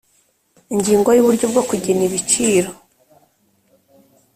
Ingingo ya Uburyo bwo kugena ibiciro